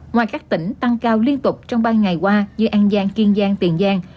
ngoài các tỉnh tăng cao liên tục trong ba ngày qua như an giang kiên giang tiền giang